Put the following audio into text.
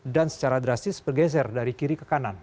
dan secara drastis bergeser dari kiri ke kanan